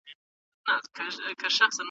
د دلارام د پاخه سړک کار پای ته ورسېدی